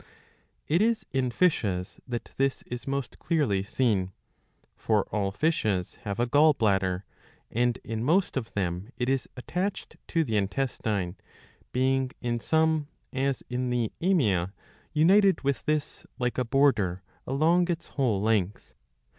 2 It is in fishes that this is most clearly seen. For all fishes ^ have a gall bladder ; and in most of them it is attached to the intestine, being in some, as in the * Amia, united with this, like a border, along its whole length.